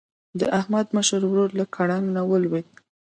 د احمد مشر ورور له ګړنګ ولوېد.